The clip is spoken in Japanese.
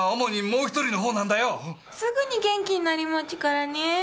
すぐに元気になりまちゅからね。